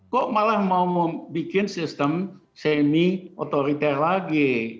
kok malah mau bikin sistem semi otoriter lagi